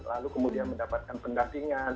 lalu kemudian mendapatkan pendampingan